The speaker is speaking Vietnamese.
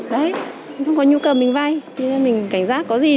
đấy không có nhu cầu mình vay cho nên mình cảnh giác có gì